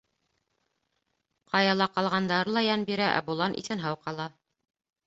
Ҡаяла ҡалғандары ла йән бирә, ә болан иҫән-һау ҡала.